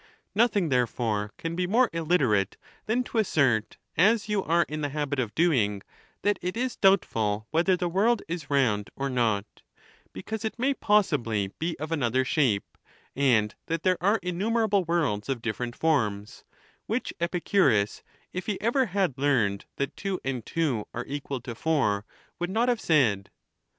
Nothing, therefore, can be more illiterate than to assert, as you are in the habit of doing, that it is doubtful whether the world is round or not, because it may possi bly be of another shape, and that there are innumerable worlds of different forms ; which Epicurus, if he ever had learned that two and two are equal to four, would not have said.